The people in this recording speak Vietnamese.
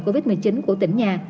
covid một mươi chín của tỉnh nhà